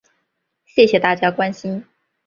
谢谢大家关心